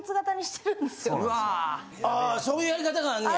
あそういうやり方があんねや。